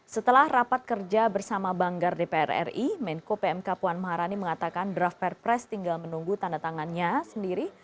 setelah rapat kerja bersama banggar dpr ri menko pmk puan maharani mengatakan draft perpres tinggal menunggu tanda tangannya sendiri